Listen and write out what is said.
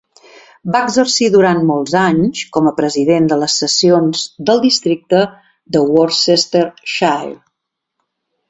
Va exercir durant molts anys com a president de les sessions del districte de Worcestershire.